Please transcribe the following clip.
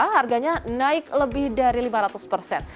harganya naik lebih dari lima ratus persen